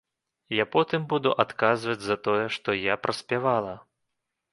Я потым буду адказваць за тое, што я праспявала.